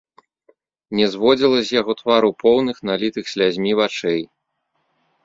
Не зводзіла з яго твару поўных, налітых слязьмі вачэй.